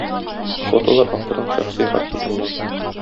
Фотолар авторның шәхси архивыннан.